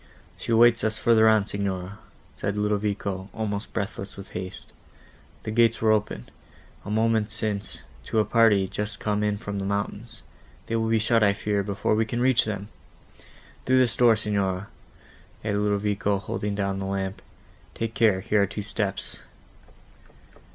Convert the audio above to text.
"She awaits us further on, Signora," said Ludovico, almost breathless with haste; "the gates were open, a moment since, to a party just come in from the mountains: they will be shut, I fear, before we can reach them! Through this door, Signora," added Ludovico, holding down the lamp, "take care, here are two steps."